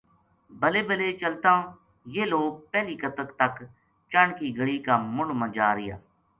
بلے بلے چلتاں یہ لوک پہلی کتک تک چنڈ کی گلی کا مُنڈھ ما جا رہیا